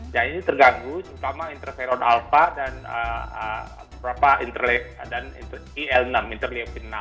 nah ini terganggu terutama interferon alfa dan il enam interleukin enam